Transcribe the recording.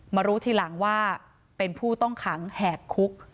มารู้ทีหลังว่าเป็นผู้ต้องขังแหกคุก